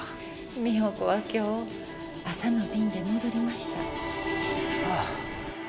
美穂子は今日朝の便で戻りましたああ・